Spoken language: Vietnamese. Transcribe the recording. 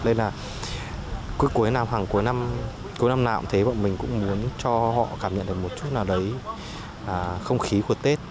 nên là cuối cuối năm hàng cuối năm cuối năm nào cũng thế bọn mình cũng muốn cho họ cảm nhận được một chút nào đấy không khí của tết